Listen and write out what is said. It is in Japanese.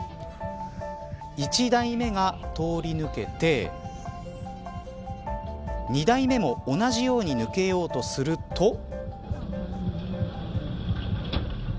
１台目が通り抜けて２台目も同じように抜けようとすると。